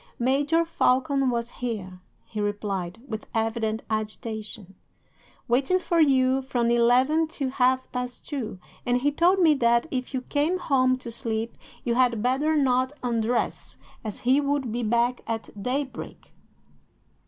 "'"Major Falcon was here," he replied, with evident agitation, "waiting for you from eleven till half past two, and he told me that, if you came home to sleep, you had better not undress, as he would be back at daybreak."